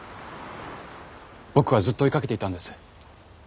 僕はずっと追いかけていたんです。